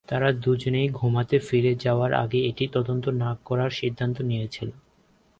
তারা দুজনেই ঘুমাতে ফিরে যাওয়ার আগে এটি তদন্ত না করার সিদ্ধান্ত নিয়েছিল।